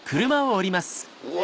うわ。